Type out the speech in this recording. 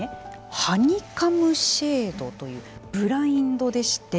ハニカムシェイドというブラインドでして